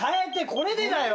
これでだよ。